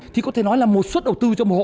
thì có thể nói là một suất đầu tư